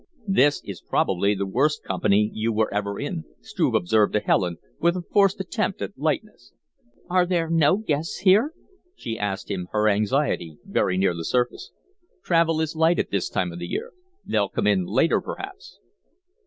"This is probably the worst company you were ever in," Struve observed to Helen, with a forced attempt at lightness. "Are there no guests here?" she asked him, her anxiety very near the surface. "Travel is light at this time of the year. They'll come in later, perhaps."